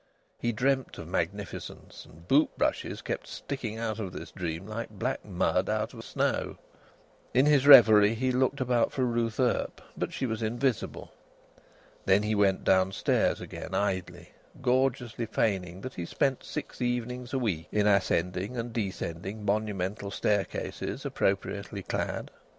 He dreamt of magnificence and boot brushes kept sticking out of this dream like black mud out of snow. In his reverie he looked about for Ruth Earp, but she was invisible. Then he went downstairs again, idly; gorgeously feigning that he spent six evenings a week in ascending and descending monumental staircases, appropriately clad.